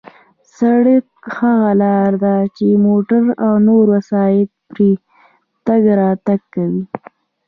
سړک هغه لار ده چې موټر او نور وسایط پرې تگ راتگ کوي.